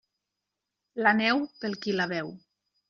La neu, pel qui la veu.